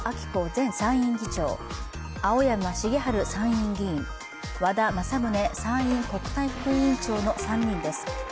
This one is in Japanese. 前参院議長、青山繁晴参院議員、和田政宗参院国対副委員長の３人です。